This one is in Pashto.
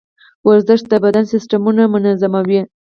ورزش د بدن سیستمونه منظموي.